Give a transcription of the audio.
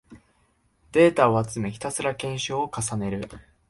データを集め、ひたすら検証を重ねる